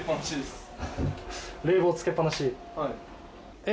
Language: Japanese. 冷房つけっぱなし？え？